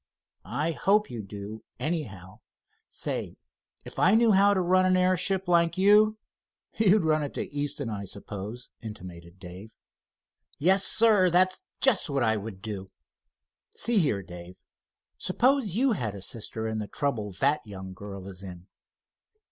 "I hope you do, anyhow. Say, if I knew how to run an airship like you——" "You'd run it to Easton, I suppose?" intimated Dave. "Yes, sir, that's just what I would do. See here, Dave, suppose you had a sister in the trouble that young girl is in?"